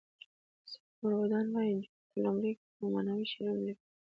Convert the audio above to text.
سمور ودان وایی جون په لومړیو کې رومانوي شعرونه لیکل